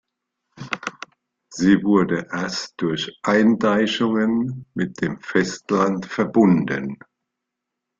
Sie wurde erst durch Eindeichungen mit dem Festland verbunden.